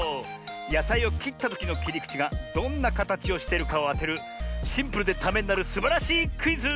やさいをきったときのきりくちがどんなかたちをしてるかをあてるシンプルでためになるすばらしいクイズ！